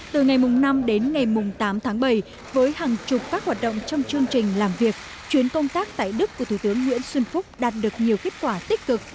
từ ngày năm đến ngày tám tháng bảy với hàng chục các hoạt động trong chương trình làm việc chuyến công tác tại đức của thủ tướng nguyễn xuân phúc đạt được nhiều kết quả tích cực